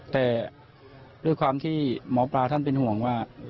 แต่ด้วยความที่หมอปลาท่านเป็นห่วงว่า